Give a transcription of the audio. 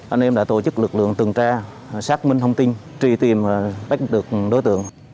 anh em đã tổ chức lực lượng từng tra xác minh thông tin truy tìm và bắt được đối tượng